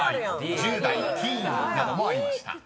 ［１０代「ｔｅｅｎ」などもありました］